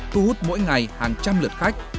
thu hút mỗi ngày hàng trăm lượt khách